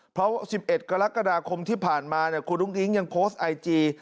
เพราะ๑๑กรกฎาคมที่ผ่านมาคุณอุ้งอิ๊งยังโพสต์ไอจี